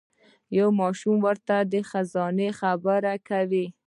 یو ماشوم ورته د خزانې خبر ورکوي.